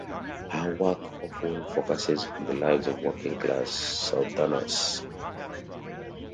Her work often focuses on the lives of working class Southerners.